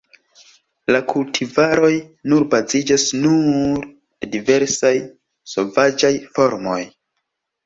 La kultivaroj nur baziĝas nur de diversaj sovaĝaj formoj.